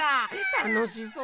たのしそう。